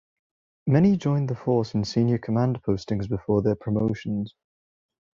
Many joined the Force in senior command postings before their promotions.